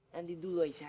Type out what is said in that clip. nanti dulu aisyah